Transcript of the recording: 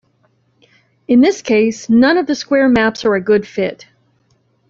In this case, none of the square maps are a good fit.